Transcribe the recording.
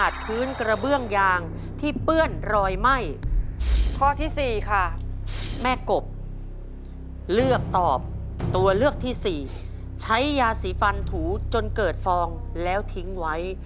ใช้ยาสีฟันถูจนเกิดฟองแล้วทิ้งไว้